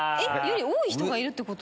多い人がいるってこと？